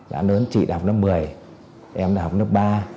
là lớn chị đã học năm một mươi em đã học năm ba